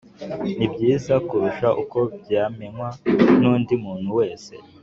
Nibyiza kurusha uko byamenywa nundi muntu wese